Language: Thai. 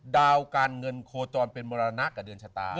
ดาวการเงินโคจรเป็นมรณะกับเดือนชะตา